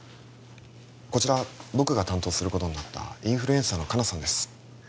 こちら僕が担当することになったインフルエンサーの香菜さんです